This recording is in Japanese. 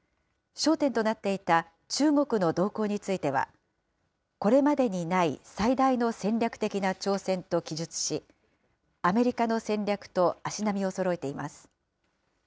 焦点となっていた中国の動向については、これまでにない最大の戦略的な挑戦と記述し、アメリカの戦略と足並みをそろえています。